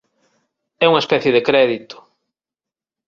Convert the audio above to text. É unha especie de crédito.